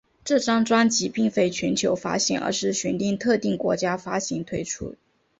这张专辑并非全球发行而是选定特定国家发行推出。